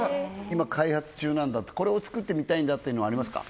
今開発中なんだこれを作ってみたいんだっていうのはありますか？